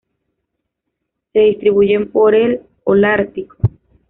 Se distribuyen por el holártico.